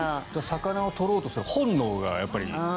魚を取ろうとする本能がやっぱり。